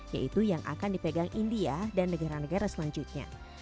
yaitu yang akan dipegang india dan negara negara selanjutnya